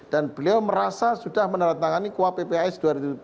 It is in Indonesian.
dan beliau merasa sudah menandatangani kua ppas dua ribu tujuh belas